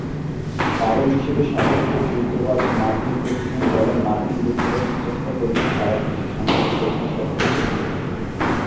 কারণ হিসেবে সাবেক এই যুদ্ধবাজ মার্কিন প্রেসিডেন্ট বলেন মার্কিন যুক্তরাষ্ট্র চেষ্টা করছে সারা বিশ্বে শান্তি প্রতিষ্ঠা করতে।